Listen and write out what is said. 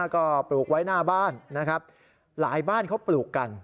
ก็ปลูกไว้หน้าบ้านนะครับหลายบ้านเขาปลูกกัน